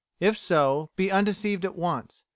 If so, be undeceived at once.